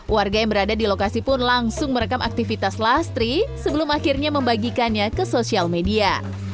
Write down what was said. warga yang berada di lokasi pun langsung merekam aktivitas lastri sebelum akhirnya membagikannya ke sosial media